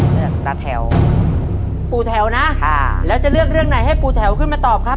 เลือกตาแถวปูแถวนะค่ะแล้วจะเลือกเรื่องไหนให้ปูแถวขึ้นมาตอบครับ